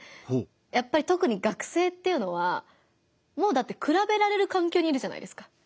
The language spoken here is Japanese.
やっぱりとくに学生っていうのはもうだってくらべられる環境にいるじゃないですか。